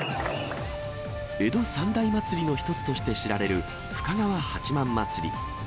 江戸三大祭りの一つとして知られる、深川八幡祭り。